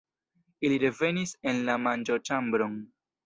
Ili revenis en la manĝoĉambron.